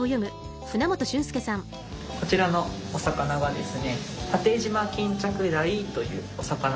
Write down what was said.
こちらのお魚はですね